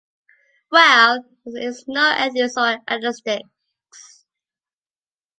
Well, there is no ethics or aesthetics.